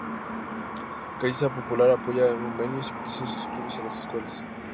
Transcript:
Caixa Popular apoya con convenios y patrocinios a los clubes y a las escuelas.